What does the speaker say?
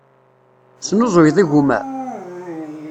Tesnuzuyeḍ igumma?